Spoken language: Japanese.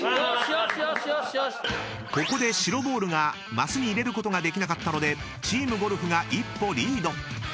［ここで白ボールがマスに入れることができなかったのでＴＥＡＭＧＯＬＦが一歩リード］